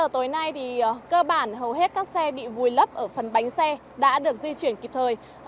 tối nay cơ bản hầu hết các xe bị vùi lấp ở phần bánh xe đã được di chuyển kịp thời